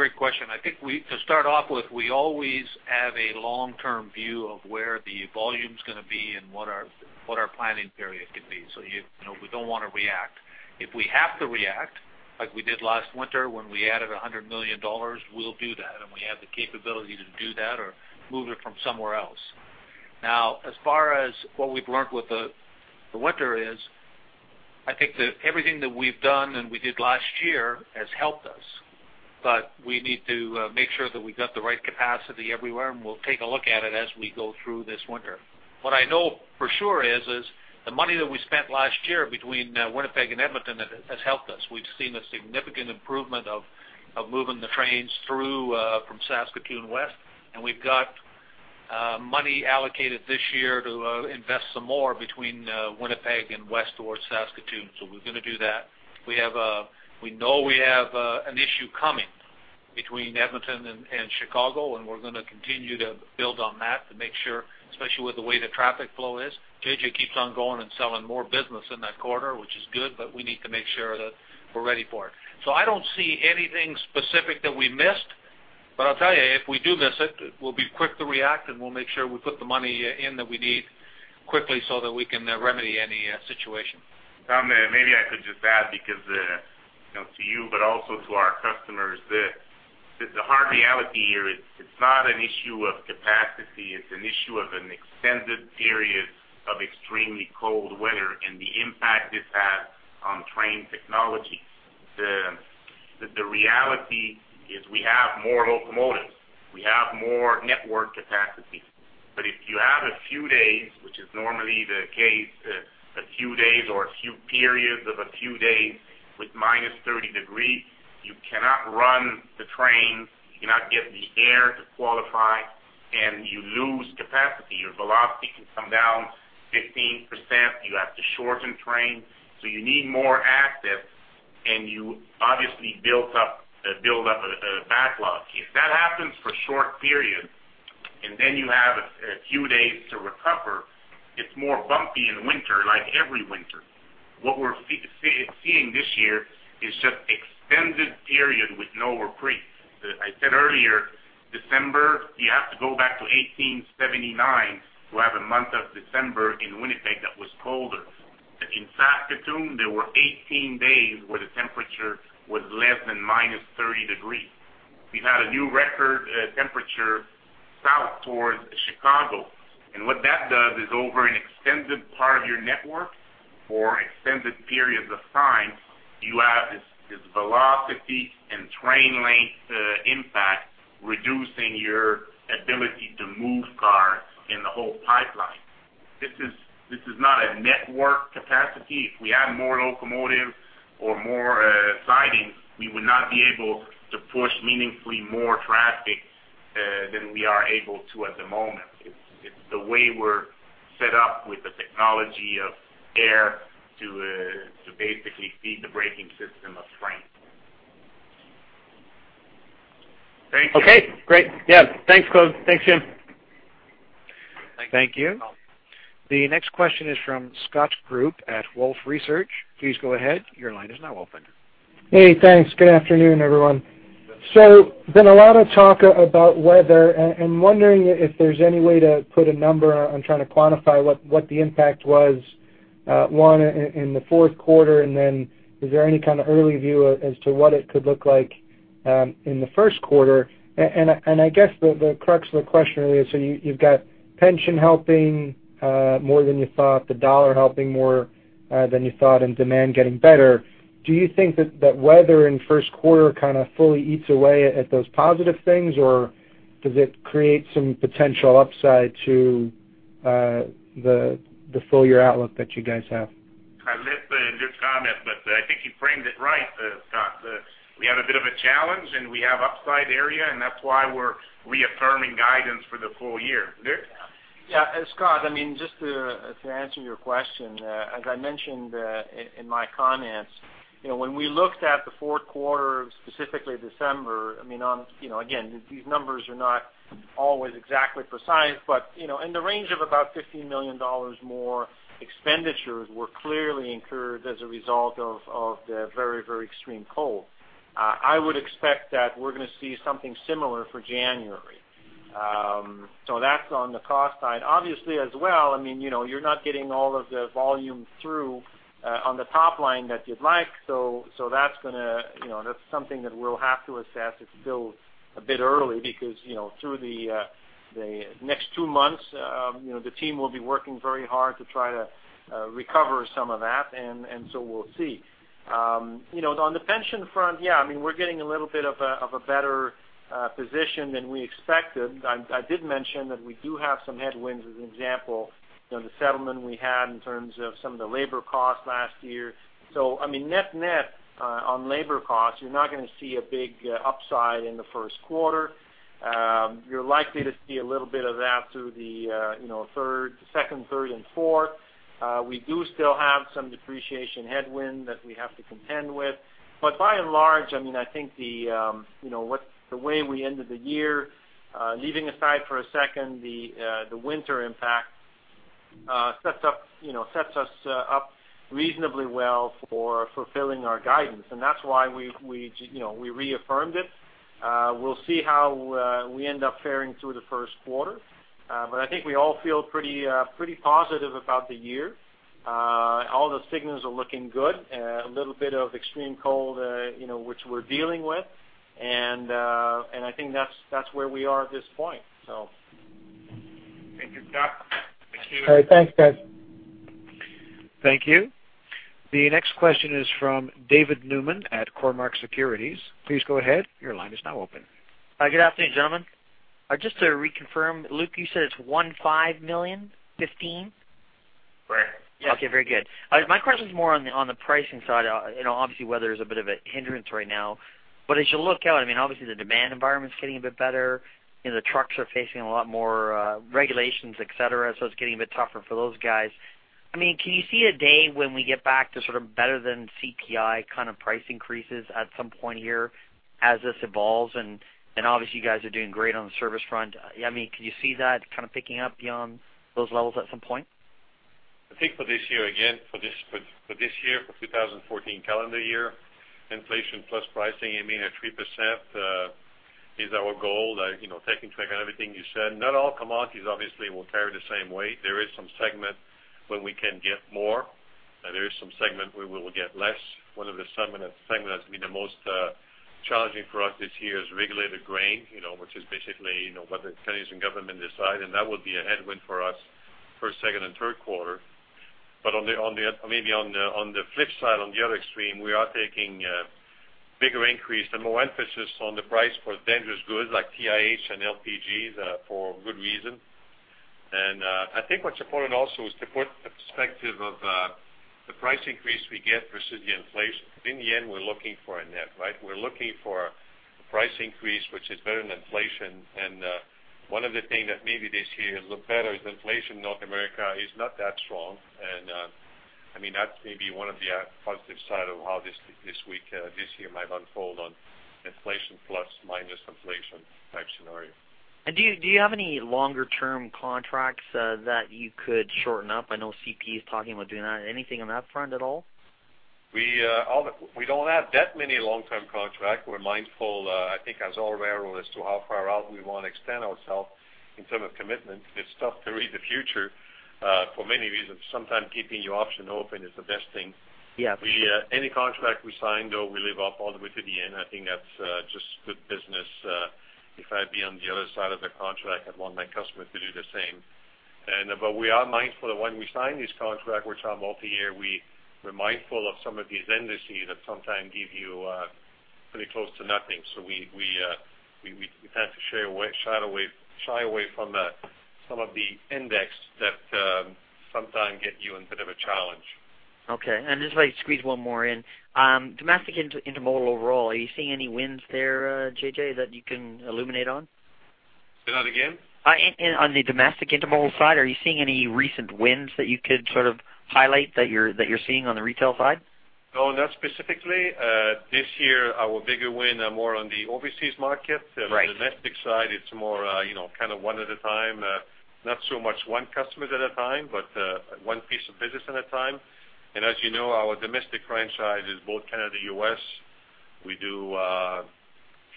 great question. I think we, to start off with, we always have a long-term view of where the volume's gonna be and what our, what our planning period could be. So you know, we don't wanna react. If we have to react, like we did last winter, when we added $100 million, we'll do that, and we have the capability to do that or move it from somewhere else. Now, as far as what we've learned with the, the winter is, I think that everything that we've done, and we did last year, has helped us. But we need to make sure that we've got the right capacity everywhere, and we'll take a look at it as we go through this winter. What I know for sure is, is the money that we spent last year between, Winnipeg and Edmonton has, has helped us. We've seen a significant improvement of, of moving the trains through, from Saskatoon West, and we've got, money allocated this year to, invest some more between, Winnipeg and West towards Saskatoon, so we're gonna do that. We have, we know we have, an issue coming between Edmonton and, and Chicago, and we're gonna continue to build on that to make sure, especially with the way the traffic flow is, JJ keeps on going and selling more business in that quarter, which is good, but we need to make sure that we're ready for it. So I don't see anything specific that we missed, but I'll tell you, if we do miss it, we'll be quick to react, and we'll make sure we put the money in that we need quickly so that we can remedy any situation. Tom, maybe I could just add, because, you know, to you, but also to our customers, the hard reality here is it's not an issue of capacity, it's an issue of an extended period of extremely cold weather and the impact this has on train technology. The reality is we have more locomotives, we have more network capacity. But if you have a few days, which is normally the case, a few days or a few periods of a few days with -30 degrees, you cannot run the train, you cannot get the air to qualify, and you lose capacity. Your velocity can come down 15%. You have to shorten trains, so you need more assets, and you obviously build up a backlog. If that happens for a short period, and then you have a few days to recover, it's more bumpy in the winter, like every winter. What we're seeing this year is just extended period with no reprieve. I said earlier, December, you have to go back to 1879 to have a month of December in Winnipeg that was colder. In Saskatoon, there were 18 days where the temperature was less than -30 degrees. We've had a new record temperature south towards Chicago, and what that does is, over an extended part of your network for extended periods of time, you have this velocity and train length impact, reducing your ability to move cars in the whole pipeline. This is not a network capacity. If we had more locomotives or more sidings, we would not be able to push meaningfully more traffic than we are able to at the moment. It's the way we're set up with the technology of air to basically feed the braking system of train. Thank you. Okay, great. Yeah, thanks, Claude. Thanks, Jim. Thank you. Thank you. The next question is from Scott Group at Wolfe Research. Please go ahead. Your line is now open. Hey, thanks. Good afternoon, everyone. So been a lot of talk about weather, and wondering if there's any way to put a number on trying to quantify what the impact was, one, in the fourth quarter, and then is there any kind of early view as to what it could look like in the first quarter? And I guess the crux of the question really is, so you've got pension helping more than you thought, the dollar helping more than you thought, and demand getting better. Do you think that weather in first quarter kind of fully eats away at those positive things, or does it create some potential upside to the full year outlook that you guys have? I'll let that good comment, but I think you framed it right, Scott. We have a bit of a challenge, and we have upside area, and that's why we're reaffirming guidance for the full year. Luc? Yeah, Scott, I mean, just to answer your question, as I mentioned, in my comments, you know, when we looked at the fourth quarter, specifically December, I mean, on... You know, again, these numbers are not always exactly precise, but, you know, in the range of about $15 million more expenditures were clearly incurred as a result of the very, very extreme cold. I would expect that we're gonna see something similar for January. So that's on the cost side. Obviously, as well, I mean, you know, you're not getting all of the volume through on the top line that you'd like, so that's gonna, you know, that's something that we'll have to assess. It's still a bit early because, you know, through the next two months, you know, the team will be working very hard to try to recover some of that, and so we'll see. You know, on the pension front, yeah, I mean, we're getting a little bit of a better position than we expected. I did mention that we do have some headwinds, as an example, you know, the settlement we had in terms of some of the labor costs last year. So, I mean, net-net, on labor costs, you're not gonna see a big upside in the first quarter. You're likely to see a little bit of that through the, you know, third, second, third, and fourth. We do still have some depreciation headwind that we have to contend with, but by and large, I mean, I think, you know, the way we ended the year, leaving aside for a second the winter impact-... sets up, you know, sets us up reasonably well for fulfilling our guidance, and that's why we, you know, we reaffirmed it. We'll see how we end up faring through the first quarter. But I think we all feel pretty, pretty positive about the year. All the signals are looking good. A little bit of extreme cold, you know, which we're dealing with. And I think that's where we are at this point, so. Thank you, Scott. Thank you. All right, thanks, guys. Thank you. The next question is from David Newman at Cormark Securities. Please go ahead. Your line is now open. Hi, good afternoon, gentlemen. Just to reconfirm, Luc, you said it's $15 million, 15? Right. Okay, very good. My question is more on the, on the pricing side. You know, obviously, weather is a bit of a hindrance right now. But as you look out, I mean, obviously, the demand environment's getting a bit better. You know, the trucks are facing a lot more regulations, et cetera, so it's getting a bit tougher for those guys. I mean, can you see a day when we get back to sort of better than CPI kind of price increases at some point here as this evolves? And, obviously, you guys are doing great on the service front. I mean, can you see that kind of picking up beyond those levels at some point? I think for this year, again, for this year, for 2014 calendar year, inflation plus pricing, I mean, at 3%, is our goal. You know, taking stock on everything you said, not all commodities obviously will carry the same weight. There is some segment where we can get more, and there is some segment where we will get less. One of the segment, segment that's been the most challenging for us this year is regulated grain, you know, which is basically, you know, what the Canadian government decide, and that will be a headwind for us, first, second, and third quarter. But on the flip side, on the other extreme, we are taking bigger increase and more emphasis on the price for dangerous goods like TIH and LPGs, for good reason. I think what's important also is to put the perspective of the price increase we get versus the inflation. In the end, we're looking for a net, right? We're looking for a price increase, which is better than inflation. One of the things that maybe this year look better is inflation in North America is not that strong. I mean, that's maybe one of the positive side of how this year might unfold on inflation plus, minus inflation type scenario. Do you, do you have any longer-term contracts that you could shorten up? I know CP is talking about doing that. Anything on that front at all? We don't have that many long-term contracts. We're mindful, I think, as all railroads to how far out we want to extend ourselves in terms of commitment. It's tough to read the future, for many reasons. Sometimes keeping your options open is the best thing. Yeah. We, any contract we sign, though, we live up all the way to the end. I think that's just good business. If I'd be on the other side of the contract, I'd want my customer to do the same. But we are mindful that when we sign these contracts, which are multi-year, we're mindful of some of these indices that sometimes give you pretty close to nothing. So we tend to shy away from some of the indices that sometimes get you in a bit of a challenge. Okay. Just let me squeeze one more in. Domestic intermodal overall, are you seeing any wins there, JJ, that you can illuminate on? Say that again? In on the domestic intermodal side, are you seeing any recent wins that you could sort of highlight that you're seeing on the retail side? No, not specifically. This year, our bigger win are more on the overseas market. Right. On the domestic side, it's more, you know, kind of one at a time. Not so much one customers at a time, but, one piece of business at a time. And as you know, our domestic franchise is both Canada, U.S. We do,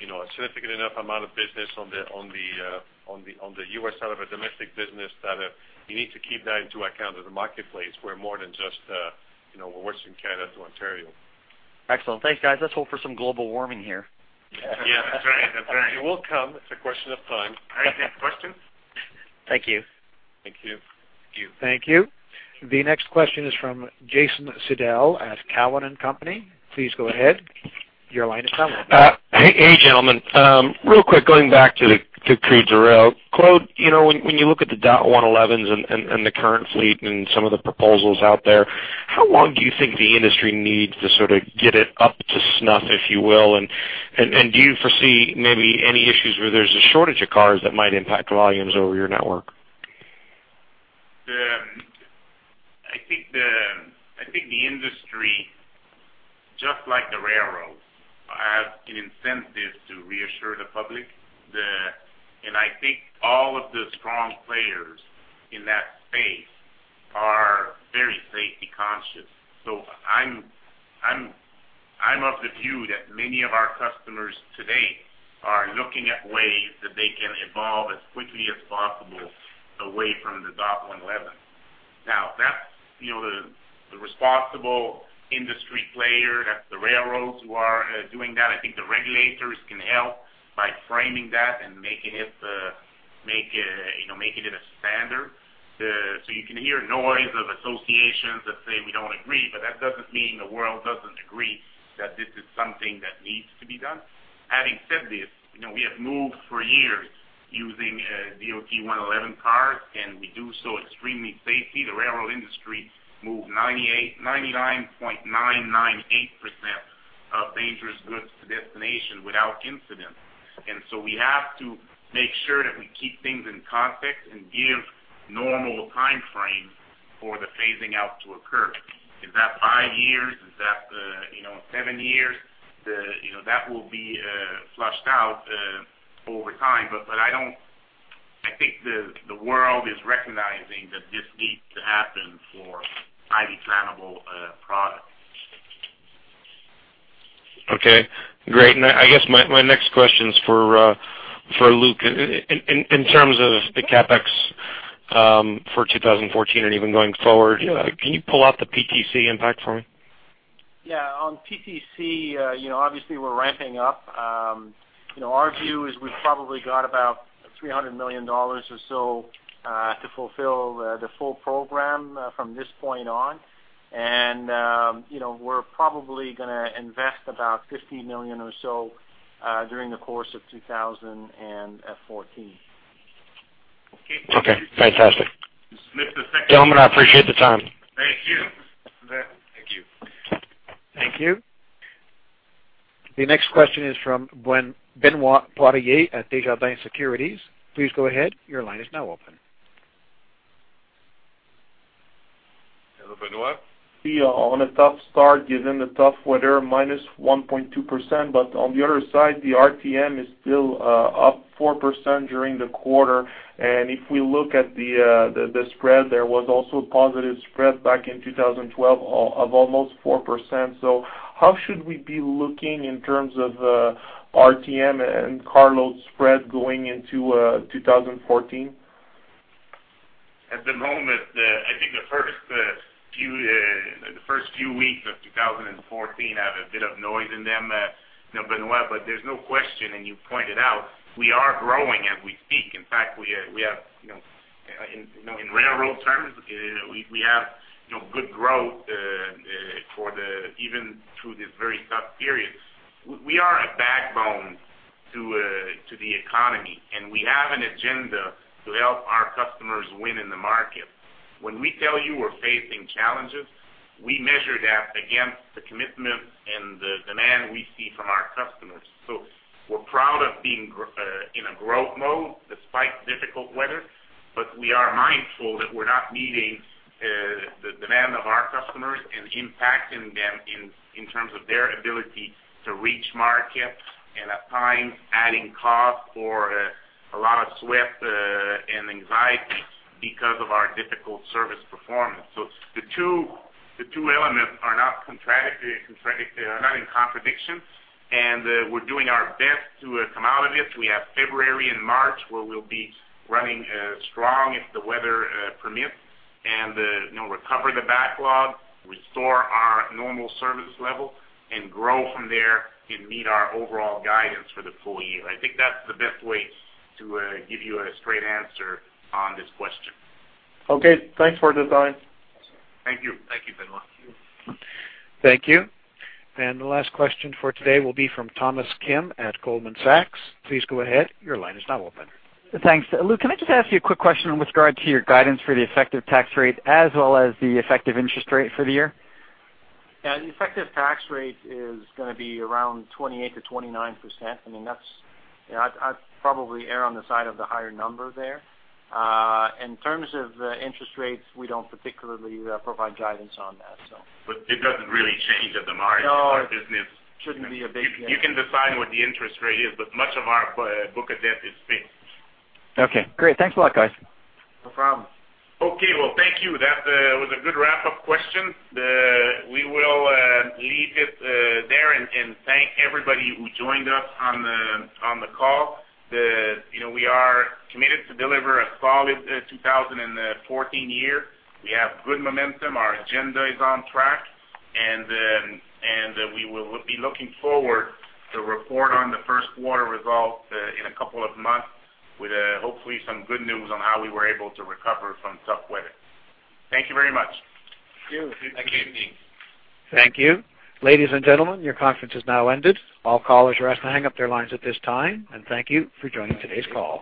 you know, a significant enough amount of business on the U.S. side of our domestic business, that you need to keep that into account of the marketplace. We're more than just, you know, Western Canada to Ontario. Excellent. Thanks, guys. Let's hope for some global warming here. Yeah, that's right. That's right. It will come. It's a question of time. All right, next question. Thank you. Thank you. Thank you. Thank you. The next question is from Jason Seidl at Cowen and Company. Please go ahead. Your line is now open. Hey, gentlemen. Real quick, going back to crude oil. Claude, you know, when you look at the DOT-111s and the current fleet and some of the proposals out there, how long do you think the industry needs to sort of get it up to snuff, if you will? And do you foresee maybe any issues where there's a shortage of cars that might impact volumes over your network? I think the industry, just like the railroads, have an incentive to reassure the public. And I think all of the strong players in that space are very safety conscious. So I'm of the view that many of our customers today are looking at ways that they can evolve as quickly as possible away from the DOT-111. Now, that's, you know, the responsible industry player, that's the railroads who are doing that. I think the regulators can help by framing that and making it, you know, making it a standard. So you can hear noise of associations that say, "We don't agree," but that doesn't mean the world doesn't agree that this is something that needs to be done. Having said this, you know, we have moved for years using DOT-111 cars, and we do so extremely safely. The railroad industry moved 99.998% of dangerous goods to destination without incident. And so we have to make sure that we keep things in context and give normal time frames for the phasing out to occur. Is that 5 years? Is that, you know, 7 years? You know, that will be flushed out over time, but I think the world is recognizing that this needs to happen for highly flammable products. Okay, great. My next question is for Luc. In terms of the CapEx, for 2014, and even going forward, can you pull out the PTC impact for me? Yeah. On PTC, you know, obviously, we're ramping up. You know, our view is we've probably got about $300 million or so to fulfill the full program from this point on. You know, we're probably gonna invest about $50 million or so during the course of 2014. Okay, fantastic. Gentlemen, I appreciate the time. Thank you. Thank you. Thank you. The next question is from Benoit Poirier at Desjardins Securities. Please go ahead. Your line is now open. Hello, Benoit. We are on a tough start, given the tough weather, minus 1.2%. But on the other side, the RTM is still up 4% during the quarter. And if we look at the spread, there was also a positive spread back in 2012, of almost 4%. So how should we be looking in terms of RTM and car load spread going into 2014? At the moment, I think the first few weeks of 2014 have a bit of noise in them, you know, Benoit, but there's no question, and you pointed out, we are growing as we speak. In fact, we have, you know, in railroad terms, we have good growth for the... even through this very tough period. We are a backbone to the economy, and we have an agenda to help our customers win in the market. When we tell you we're facing challenges, we measure that against the commitment and the demand we see from our customers. So we're proud of being in a growth mode despite difficult weather, but we are mindful that we're not meeting the demand of our customers and impacting them in terms of their ability to reach market, and at times adding cost or a lot of sweat and anxiety because of our difficult service performance. So the two elements are not in contradiction, and we're doing our best to come out of this. We have February and March, where we'll be running strong, if the weather permits, and you know, recover the backlog, restore our normal service level, and grow from there, and meet our overall guidance for the full year. I think that's the best way to give you a straight answer on this question. Okay, thanks for the time. Thank you. Thank you very much. Thank you. The last question for today will be from Thomas Kim at Goldman Sachs. Please go ahead. Your line is now open. Thanks. Luke, can I just ask you a quick question in regard to your guidance for the effective tax rate as well as the effective interest rate for the year? Yeah, the effective tax rate is gonna be around 28%-29%. I mean, that's... You know, I'd probably err on the side of the higher number there. In terms of interest rates, we don't particularly provide guidance on that, so. But it doesn't really change at the margin- No. of our business. Shouldn't be a big change. You can decide what the interest rate is, but much of our book of debt is fixed. Okay, great. Thanks a lot, guys. No problem. Okay, well, thank you. That was a good wrap-up question. We will leave it there and thank everybody who joined us on the call. You know, we are committed to deliver a solid 2014 year. We have good momentum. Our agenda is on track, and we will be looking forward to report on the first quarter results in a couple of months with hopefully some good news on how we were able to recover from tough weather. Thank you very much. Thank you. Thank you. Thank you. Ladies and gentlemen, your conference has now ended. All callers are asked to hang up their lines at this time, and thank you for joining today's call.